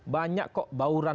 banyak kok bauran bauran